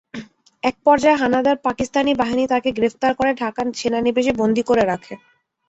একপর্যায়ে হানাদার পাকিস্তানি বাহিনী তাঁকে গ্রেপ্তার করে ঢাকা সেনানিবাসে বন্দী করে রাখে।